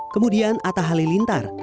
kemudian atta halilintar